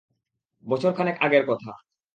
বছরখানেক আগের কথা।